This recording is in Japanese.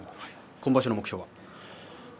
今場所の目標は？